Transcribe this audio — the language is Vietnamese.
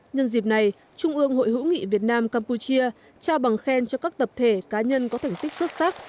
nhân dịp này trung ương hội hữu nghị việt nam campuchia trao bằng khen cho các tập thể cá nhân có thành tích xuất sắc